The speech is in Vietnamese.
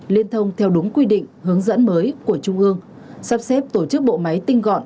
liên thông theo đúng quy định hướng dẫn mới của trung ương sắp xếp tổ chức bộ máy tinh gọn